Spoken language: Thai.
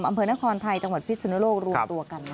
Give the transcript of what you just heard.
อำเภอนครไทยจังหวัดพิศนุโลกรวมตัวกัน